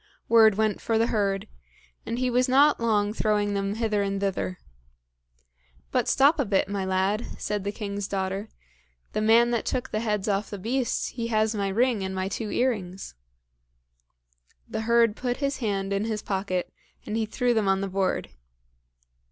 Word went for the herd; and he was not long throwing them hither and thither. "But stop a bit, my lad," said the king's daughter; "the man that took the heads off the beast, he has my ring and my two earrings." The herd put his hand in his pocket, and he threw them on the board.